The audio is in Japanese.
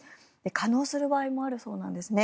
化のうする場合もあるそうなんですね。